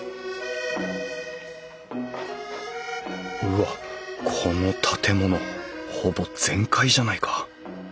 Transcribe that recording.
うわっこの建物ほぼ全壊じゃないか。